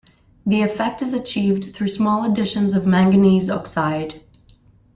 This effect is achieved through small additions of manganese oxide.